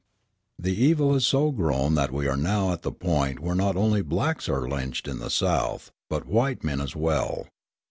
The evil has so grown that we are now at the point where not only blacks are lynched in the South, but white men as well.